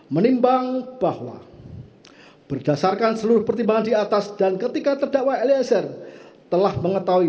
menimbang bahwa berdasarkan seluruh pertimbangan di atas dan ketika terdakwa eliezer telah mengetahui